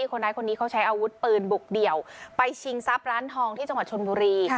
คนร้ายคนนี้เขาใช้อาวุธปืนบุกเดี่ยวไปชิงทรัพย์ร้านทองที่จังหวัดชนบุรี